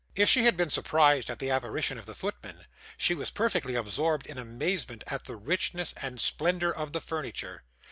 If she had been surprised at the apparition of the footman, she was perfectly absorbed in amazement at the richness and splendour of the furniture.